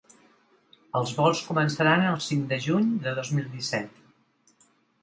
Els vols començaran el cinc de juny de dos mil disset.